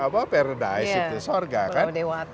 paradise itu sorga kan